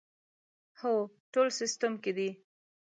هو، ټول سیسټم کې دي